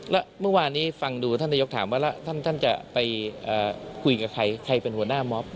แล้วเมื่อวานนี้ฟังดูท่านนายกถามว่าแล้วท่านจะไปคุยกับใครใครเป็นหัวหน้ามอบ